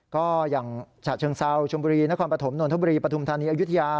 ก็อย่างฉะเชิงเซาชมบุรีนครปฐมนนทบุรีปฐุมธานีอายุทยา